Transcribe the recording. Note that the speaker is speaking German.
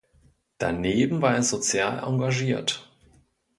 Daneben war er sozial engagiert.